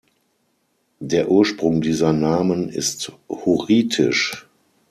Der Ursprung dieser Namen ist hurritisch.